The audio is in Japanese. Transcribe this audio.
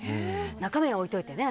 中身は置いておいてね